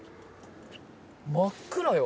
真っ暗よ。